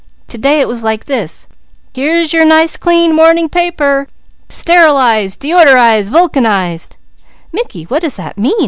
To day it was like this: 'Here's your nice, clean, morning paper! Sterilized! Deodorized! Vulcanized!'" "Mickey what does that mean?"